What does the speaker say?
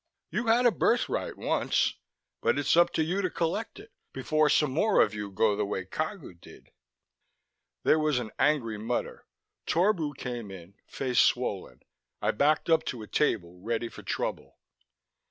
You had a birthright ... once. But it's up to you to collect it ... before some more of you go the way Cagu did." There was an angry mutter. Torbu came in, face swollen. I backed up to a table, ready for trouble.